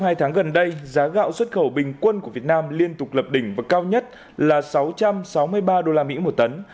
trong hai tháng gần đây giá gạo xuất khẩu bình quân của việt nam liên tục lập đỉnh và cao nhất là sáu trăm sáu mươi ba usd một tấn